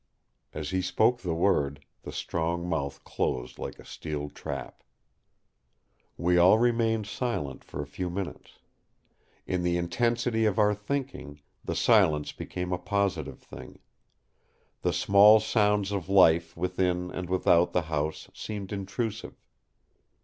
As he spoke the word, the strong mouth closed like a steel trap. We all remained silent for a few minutes. In the intensity of our thinking, the silence became a positive thing; the small sounds of life within and without the house seemed intrusive.